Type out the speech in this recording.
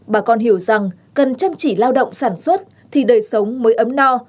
bà con hiểu rằng cần chăm chỉ lao động sản xuất thì đời sống mới ấm no